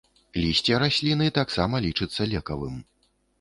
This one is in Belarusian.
Лісце расліны таксама лічыцца лекавым.